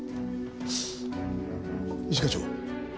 一課長。